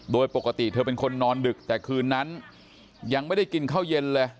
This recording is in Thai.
โดยปกติเธอเป็นคนนอนดึกแต่คืนนั้นยังไม่ได้กินข้าวเย็นเลย